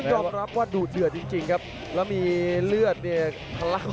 ต้องยอมรับว่าดูดเหลือจริงครับแล้วมีเลือดพละออกมา